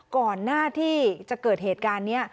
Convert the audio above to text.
ก่อนหน้าที่จะเกิดเหตุการณ์นี้